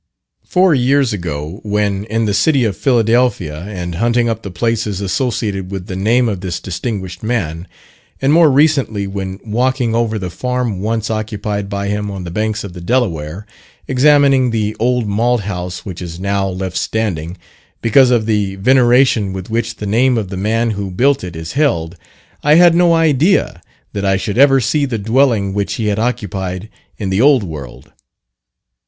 Four years ago, when in the city of Philadelphia, and hunting up the places associated with the name of this distinguished man, and more recently when walking over the farm once occupied by him on the banks of the Delaware, examining the old malt house which is now left standing, because of the veneration with which the name of the man who built it is held, I had no idea that I should ever see the dwelling which he had occupied in the Old World.